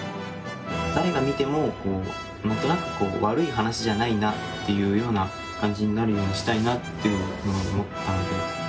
誰が見ても何となく悪い話じゃないなっていうような感じになるようにしたいなっていうふうに思ったので。